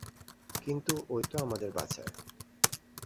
কিন্তু ওই তো আমাদের বাঁচায়।